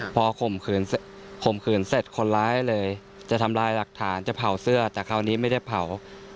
พอข่มขืนข่มขืนเสร็จคนร้ายเลยจะทำลายหลักฐานจะเผาเสื้อแต่คราวนี้ไม่ได้เผา